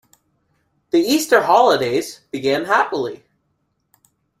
The Easter holidays began happily.